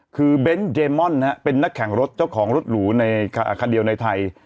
คือเบนท์เดมอนเป็นนักแข่งรถเจ้าของรถหรูในคันเดียวในไทย